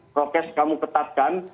prokes kamu ketatkan